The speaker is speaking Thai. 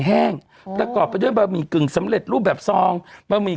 แห้งโอ้โหประกอบไปด้วยบะหมิกลึงสำเร็จรูปแบบซองบะหมิ